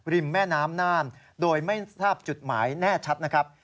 แม่น้ำน่านโดยไม่ทราบจุดหมายแน่ชัดนะครับ